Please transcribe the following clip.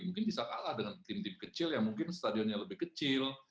mungkin bisa kalah dengan tim tim kecil yang mungkin stadionnya lebih kecil